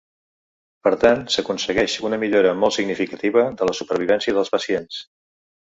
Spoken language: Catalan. Per tant, s’aconsegueix una millora molt significativa de la supervivència dels pacients.